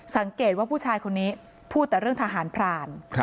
สังเกตว่าผู้ชายคนนี้พูดแต่เรื่องทหารพราน